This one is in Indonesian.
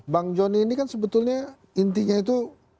bang joni ini kan sebetulnya intinya itu